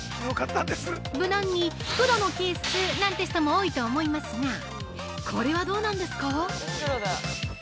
無難に黒のケースなんて人も多いと思いますがこれはどうなんですか？